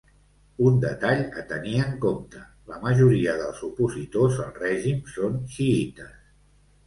Un detall a tenir en compte: la majoria dels opositors al règim són xiïtes.